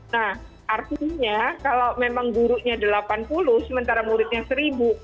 nah artinya kalau memang gurunya delapan puluh sementara muridnya seribu